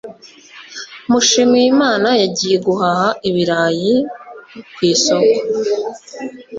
Mushimiyimana yagiye guhaha ibirayi kw’isoko